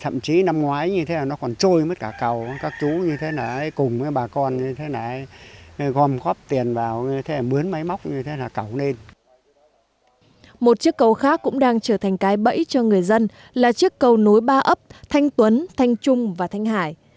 một chiếc cầu khác cũng đang trở thành cái bẫy cho người dân là chiếc cầu nối ba ấp thanh tuấn thanh trung và thanh hải